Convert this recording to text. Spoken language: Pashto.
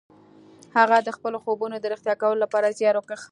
هغه د خپلو خوبونو د رښتيا کولو لپاره زيار وکيښ.